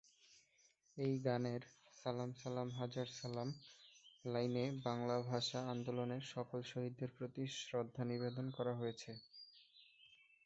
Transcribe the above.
এই গানের "সালাম সালাম হাজার সালাম" লাইনে বাংলা ভাষা আন্দোলনের সকল শহীদদের প্রতি শ্রদ্ধা নিবেদন করা হয়েছে।